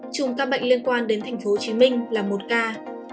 chùm ca bệnh liên quan đến tp hcm là một ca